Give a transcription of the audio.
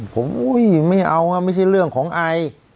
ผมไม่เอานะไม่ใช่เรื่องของไอ